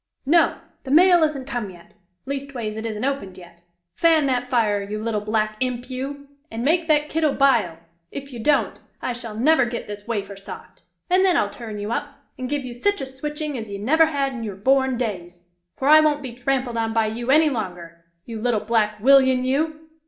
"No! The mail isn't come yet! leastways it isn't opened yet! Fan that fire, you little black imp, you! and make that kittle bile; if you don't, I shall never git this wafer soft! and then I'll turn you up, and give you sich a switching as ye never had in your born days! for I won't be trampled on by you any longer! you little black willyan, you!